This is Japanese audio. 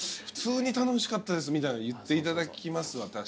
「普通に楽しかったです」みたいな言っていただきますわ